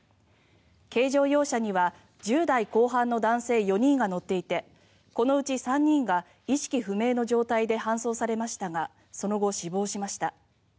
軽乗用車には、１０代後半の男性４人が乗っていてこのうち３人が意識不明の状態で搬送されましたがその後、死亡しました。